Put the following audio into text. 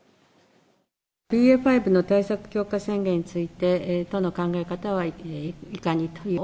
ＢＡ．５の対策強化宣言について、都の考え方はいかにという。